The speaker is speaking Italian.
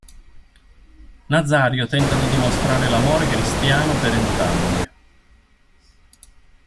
Nazario tenta di dimostrare l'amore cristiano per entrambe.